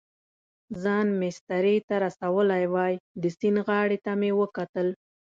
ځان مېسترې ته رسولی وای، د سیند غاړې ته مې وکتل.